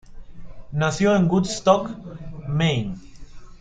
Nació en Woodstock, Maine.